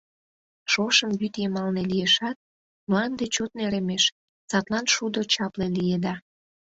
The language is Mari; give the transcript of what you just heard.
Шошым вӱд йымалне лиешат, мланде чот нӧремеш, садлан шудо чапле лиеда.